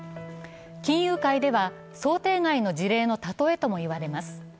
金融界では想定外の事例の例えとも言われます。